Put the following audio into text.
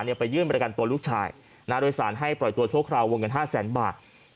อธิษฐานไปยื่นบริการตัวลูกชายโดยสารให้ปล่อยตัวทั่วคราววงกัน๕แสนบาท